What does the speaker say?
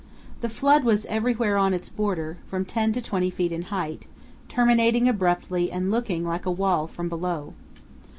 The flood was, everywhere on its border, from 10 to 20 feet in height, terminating abruptly and looking like a wall from below.